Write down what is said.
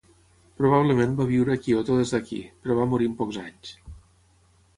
Probablement va viure a Kyoto des d'aquí, però va morir en pocs anys.